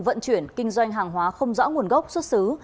vận chuyển kinh doanh hàng hóa không rõ nguồn gốc xuất xứ